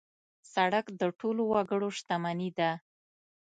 سړک د ټولو وګړو شتمني ده.